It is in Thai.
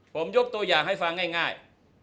ผมยกตัวอย่างให้ฟังง่าย